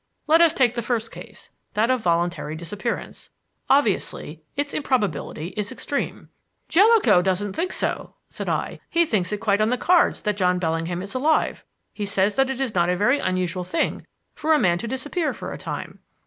Let us take the first case that of voluntary disappearance. Obviously, its improbability is extreme." "Jellicoe doesn't think so," said I. "He thinks it quite on the cards that John Bellingham is alive. He says that it is not a very unusual thing for a man to disappear for a time."